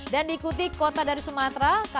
dan diikuti kota dari sumatera